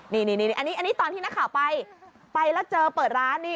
นี่อันนี้ตอนที่นักข่าวไปไปแล้วเจอเปิดร้านนี่